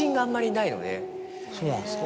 そうなんですか？